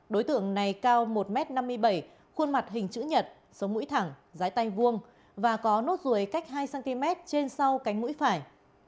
đối tượng này cao một m năm mươi bảy khuôn mặt hình chữ nhật số mũi thẳng trái tay vuông và có nốt ruồi cách hai cm trên sau cánh mũi phải